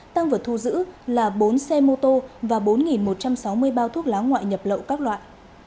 tăng vật thu giữ là bốn xe mô tô và bốn một trăm sáu mươi bao thuốc lá ngoại nhập lậu các loại